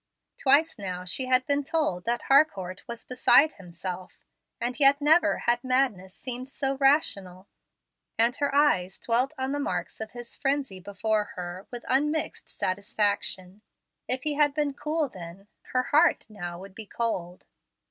Twice now she had been told that Harcourt was "beside himself," and yet never had madness seemed so rational; and her eyes dwelt on the marks of his frenzy before her with unmixed satisfaction. If he had been cool then, her heart now would be cold.